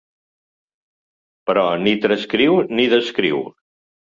Però ni transcriu ni descriu.